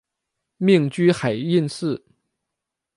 命居海印寺。